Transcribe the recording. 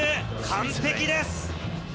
完璧です。